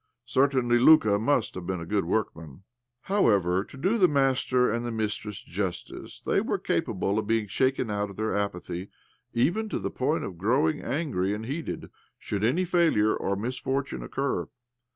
Certainly Luka must have been a good workman I 'However, to do the master and the mistress justice, they were capable of being shaken out of their apathy, even to the point of growing angry and heated, should any faUure or misfortune occur.